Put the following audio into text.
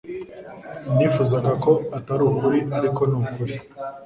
Nifuzaga ko atari ukuri ariko ni ukuri